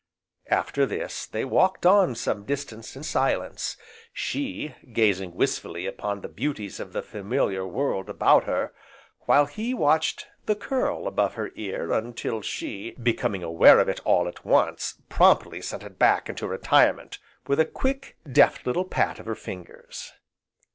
After this, they walked on some distance in silence, she gazing wistfully upon the beauties of the familiar world about her while he watched the curl above her ear until she, becoming aware of it all at once, promptly sent it back into retirement, with a quick, deft little pat of her fingers.